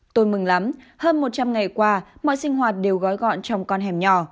tôi mừng lắm hơn một trăm linh ngày qua mọi sinh hoạt đều gói gọn trong con hẻm nhỏ